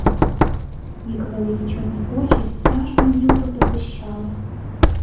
Їх великі чорні очі страшно й люто заблищали.